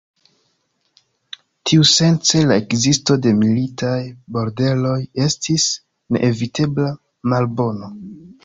Tiusence la ekzisto de militaj bordeloj estis neevitebla malbono.